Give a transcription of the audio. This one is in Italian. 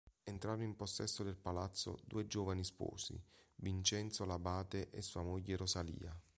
Entrano in possesso del palazzo due giovani sposi, Vincenzo Labate e sua moglie Rosalia.